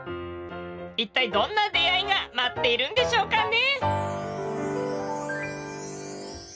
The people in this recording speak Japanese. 一体どんな出会いが待っているんでしょうかね？